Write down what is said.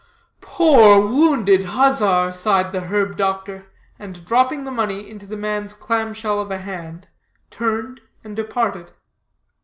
"Poor wounded huzzar!" sighed the herb doctor, and dropping the money into the man's clam shell of a hand turned and departed.